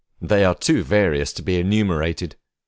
They are too various to be enumerated.